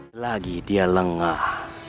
hai lagi dia lengah